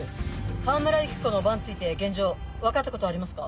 川村由紀子の叔母について現状分かったことはありますか？